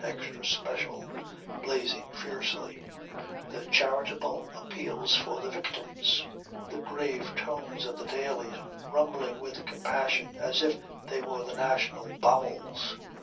Extra special" blazing fiercely; the charitable appeals for the victims, the grave tones of the dailies rumbling with compassion as if they were the national bowels.